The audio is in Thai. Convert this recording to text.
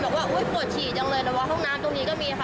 บอกว่าอุ๊ยปวดฉี่จังเลยแต่ว่าห้องน้ำตรงนี้ก็มีค่ะ